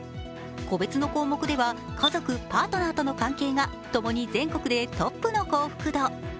個別の項目では家族、パートナーとの関係がともに全国でトップの幸福度。